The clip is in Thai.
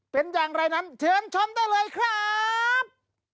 เป็นอย่างไรนั้นเชิญชมได้เลยครับ